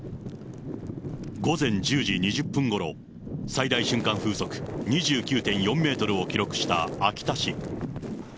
午前１０時２０分ごろ、最大瞬間風速２９．４メートルを記録した秋田市。